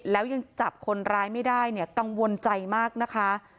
แล้วยังจับคนร้ายไม่ได้เนี่ยกังวลใจมากนะคะ